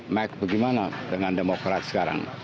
mac bagaimana dengan demokrat sekarang